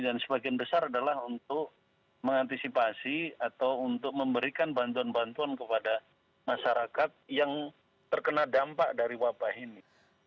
dan sebagian besar adalah untuk mengantisipasi atau untuk memberikan bantuan bantuan kepada masyarakat yang terkena dampak dari wabah ini